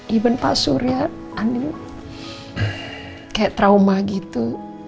bahkan pak surya andin kayak trauma gitu